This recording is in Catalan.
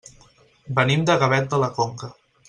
Venim de Gavet de la Conca.